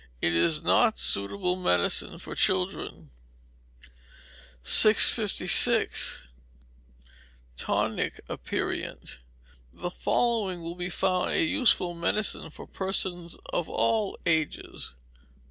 It is not a suitable medicine for children. 656. Tonic Aperient. The following will be found a useful medicine for persons of all ages.